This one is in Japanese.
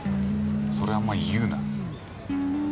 それあんま言うな。